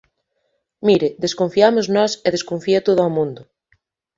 Mire, desconfiamos nós e desconfía todo o mundo.